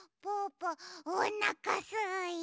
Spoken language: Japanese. ぽおなかすいた！